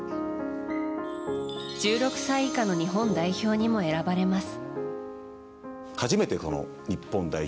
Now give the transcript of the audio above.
１６歳以下の日本代表にも選ばれます。